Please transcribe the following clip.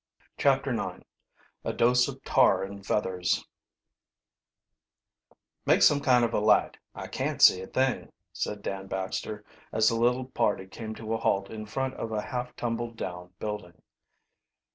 CHAPTER IX A DOSE OF TAR AND FEATHERS "Make some kind of a light I can't see a thing," said Dan Baxter, as the little party came to a halt in front of a half tumbled down building.